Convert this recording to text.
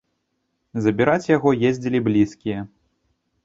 Забіраць яго ездзілі блізкія.